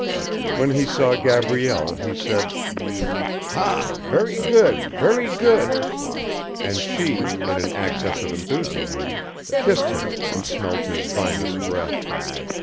When he saw Gabrielle he said "Ha very good, very good," and she, in an access of enthusiasm, kissed him and smelt his vinous breath.